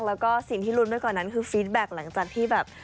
แล้วก็สิ่งที่ลุ้นไปกว่านั้นคือฟีดแบ็คหลังจากที่แบบ